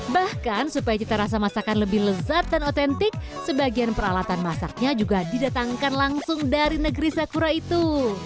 bahkan supaya cita rasa masakan lebih lezat dan otentik sebagian peralatan masaknya juga didatangkan langsung dari negeri sakura itu